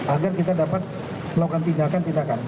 agar kita dapat melakukan tindakan tindakan